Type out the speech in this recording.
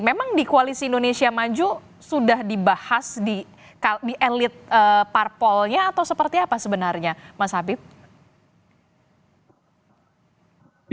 memang di koalisi indonesia maju sudah dibahas di elit parpolnya atau seperti apa sebenarnya mas habib